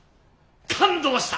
感動した！